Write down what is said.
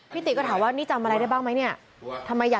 ติก็ถามว่านี่จำอะไรได้บ้างไหมเนี่ย